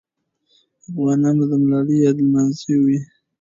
افغانان به د ملالۍ یاد لمانځلې وي.